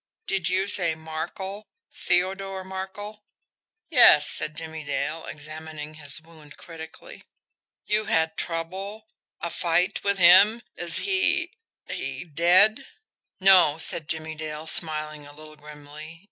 "Did you say Markel Theodore Markel?" "Yes," said Jimmie Dale, examining his wound critically. "You had trouble a fight with him? Is he he dead?" "No," said Jimmie Dale, smiling a little grimly.